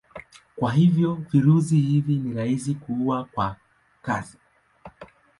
Kwa hivyo virusi hivi ni rahisi kuua kwa kiasi.